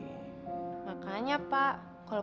gedung yang ambruk harus segera dibangun kembali